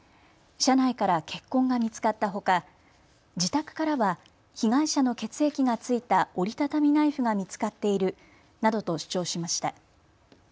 車内から血痕が見つかったほか自宅からは被害者の血液が付いた折り畳みナイフが見つかっているなどと主張しました。